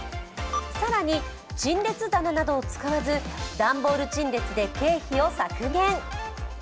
更に陳列棚などを使わず段ボール陳列で経費を削減。